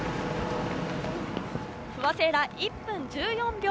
不破聖衣来、１分１４秒。